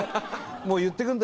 もう言ってくるんだ？